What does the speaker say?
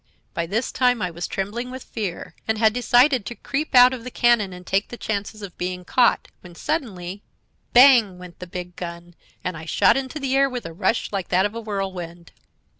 "By this time I was trembling with fear, and had decided to creep out of the cannon and take the chances of being caught, when, suddenly, 'Bang!' went the big gun, and I shot into the air with a rush like that of a whirlwind.